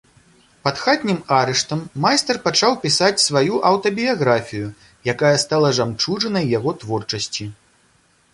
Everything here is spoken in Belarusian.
Пад хатнім арыштам майстар пачаў пісаць сваю аўтабіяграфію, якая стала жамчужынай яго творчасці.